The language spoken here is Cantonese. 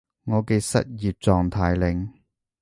我嘅失業狀態令